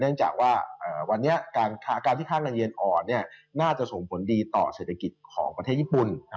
เนื่องจากว่าวันนี้การที่ค่าเงินเย็นอ่อนน่าจะส่งผลดีต่อเศรษฐกิจของประเทศญี่ปุ่น